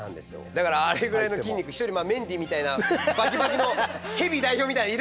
だからあれぐらいの筋肉一人メンディーみたいなバキバキのヘビ代表みたいなのいるんですけど。